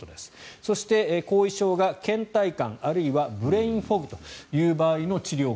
そして、後遺症がけん怠感あるいはブレインフォグという場合の治療法